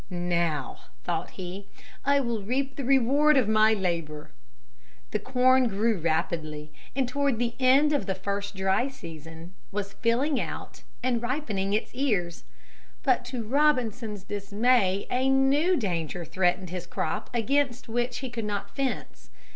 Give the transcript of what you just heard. "Now," thought he, "I will reap the reward of my labor." The corn grew rapidly, and toward the end of the first dry season was filling out and ripening its ears. But to Robinson's dismay a new danger threatened his crop against which he could not fence.